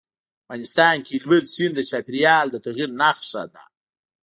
افغانستان کې هلمند سیند د چاپېریال د تغیر نښه ده.